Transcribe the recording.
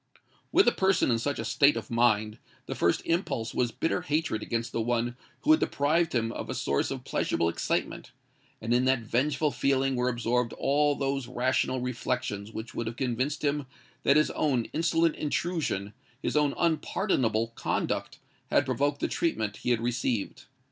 With a person in such a state of mind, the first impulse was bitter hatred against the one who had deprived him of a source of pleasurable excitement; and in that vengeful feeling were absorbed all those rational reflections which would have convinced him that his own insolent intrusion—his own unpardonable conduct—had provoked the treatment he had received.